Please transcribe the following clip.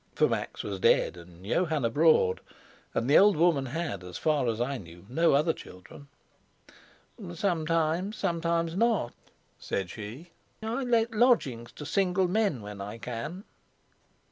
For Max was dead and Johann abroad, and the old woman had, as far as I knew, no other children. "Sometimes; sometimes not," said she. "I let lodgings to single men when I can."